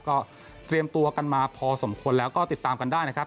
ก็เตรียมตัวกันมาพอสมควรแล้วก็ติดตามกันได้นะครับ